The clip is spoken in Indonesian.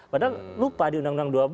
padahal lupa di undang undang dua belas